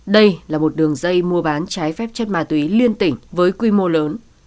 đây là một đường dây mua bán trái phép chất ma túy liên tỉnh với quy mô lớn